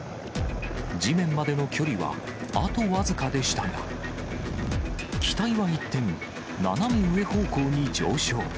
地面までの距離はあと僅かでしたが、機体は一転、斜め上方向に上昇。